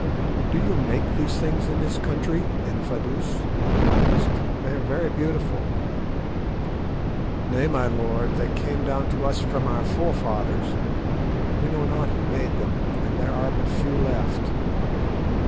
"Do you make these things in this country, Infadoos?" I asked; "they are very beautiful." "Nay, my lord, they came down to us from our forefathers. We know not who made them, and there are but few left.